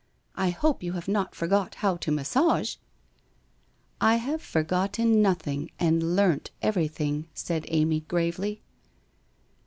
I hope you have not forgot how to massage ?'' I have forgotten nothing, and learnt everything/ said Amy gravely.